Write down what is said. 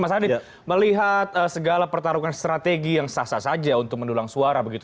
mas adit melihat segala pertarungan strategi yang sah sah saja untuk mendulang suara begitu